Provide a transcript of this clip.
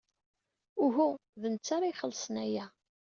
Uhu, d netta ara ixellṣen aya.